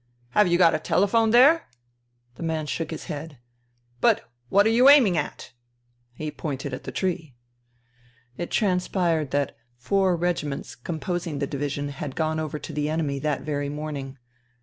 " Have you got a telephone there ?'* The man shook his head. " But what are you aiming at ?" He pointed at the tree. It transpired that four regiments composing the division had gone over to the enemy that very morning.